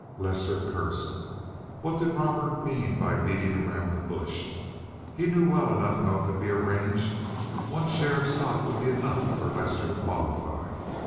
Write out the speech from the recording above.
Lester cursed. What did Robert mean by beating around the bush? He knew well enough how it could be arranged. One share of stock would be enough for Lester to qualify.